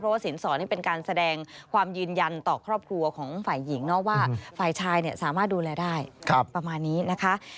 สินสอดนี่เป็นการแสดงความยืนยันต่อครอบครัวของฝ่ายหญิงนะว่าฝ่ายชายสามารถดูแลได้ประมาณนี้นะคะ